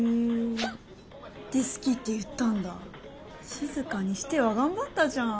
しずかにしては頑張ったじゃん。